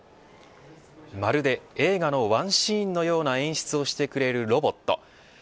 まるで、映画のワンシーンのような演出をしてくれるロボット。